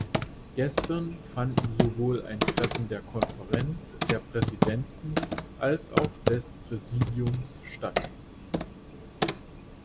Gestern fanden sowohl ein Treffen der Konferenz der Präsidenten als auch des Präsidiums statt.